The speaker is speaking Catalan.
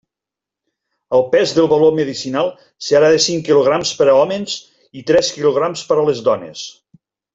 El pes del baló medicinal serà de cinc quilograms per als hòmens i tres quilograms per a les dones.